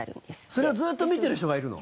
それをずっと見てる人がいるの？